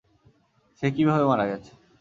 সে কীভাবে মারা গেছে?